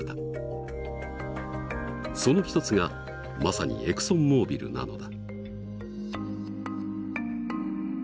その一つがまさにエクソンモービルなのだ。